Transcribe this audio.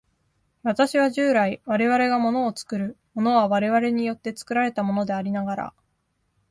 私は従来、我々が物を作る、物は我々によって作られたものでありながら、